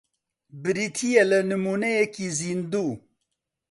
بریتییە لە نموونەیەکی زیندوو